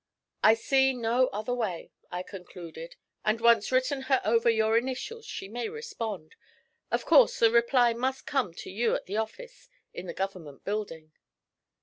'I see no other way,' I concluded; 'and having once written her over your initials she may respond. Of course the reply must come to you at the office in the Government Building.'